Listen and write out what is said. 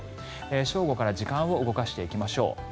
正午から時間を動かしていきましょう。